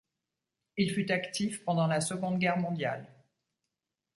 Il fut actif pendant la Seconde Guerre mondiale.